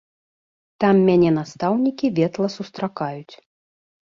Там мяне настаўнікі ветла сустракаюць.